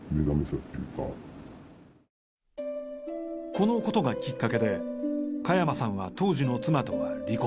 このことがきっかけで加山さんは当時の妻とは離婚。